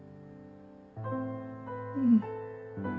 うん。